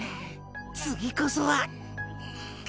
次こそは。